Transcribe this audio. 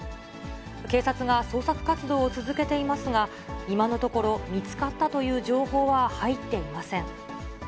警察が捜索活動を続けていますが、今のところ、見つかったという情報は入っていません。